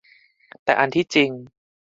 แต่อันที่จริง